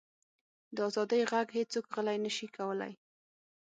د ازادۍ ږغ هیڅوک غلی نه شي کولی.